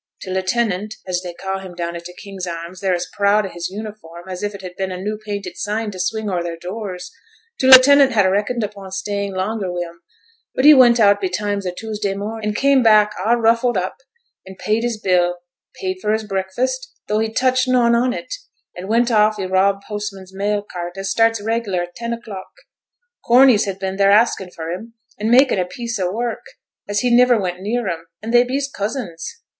T' lieutenant (as they ca' him down at t' King's Arms; they're as proud on his uniform as if it had been a new painted sign to swing o'er their doors), t' lieutenant had reckoned upo' stayin' longer wi' 'em; but he went out betimes o' Tuesday morn', an' came back a' ruffled up, an paid his bill paid for his breakfast, though he touched noane on it an' went off i' Rob postman's mail cart, as starts reg'lar at ten o'clock. Corneys has been theere askin' for him, an' makin' a piece o' work, as he niver went near em; and they bees cousins.